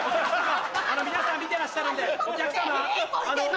あの皆さん見てらっしゃるんでお客さま？